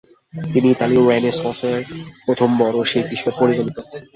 তিনি ইতালীয় রেনেসাঁসের প্রথম বড় শিল্পী হিসেবে পরিগণিত।